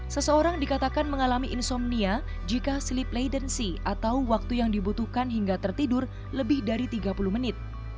seseorang dikatakan mengalami insomnia jika silly playdency atau waktu yang dibutuhkan hingga tertidur lebih dari tiga puluh menit